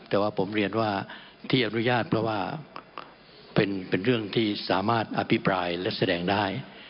แต่ว่าผมเรียนว่าที่อนุญาตเพราะว่าเป็นเรื่องที่สามารถอภิปรายและแสดงได้